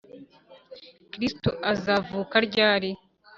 kristo azavuka ryari? "